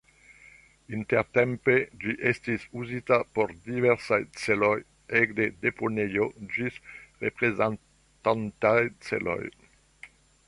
Intertempe ĝi estis uzita por diversaj celoj, ekde deponejo ĝis reprezentaj celoj.